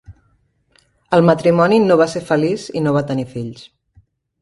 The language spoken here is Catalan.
El matrimoni no va ser feliç i no va tenir fills.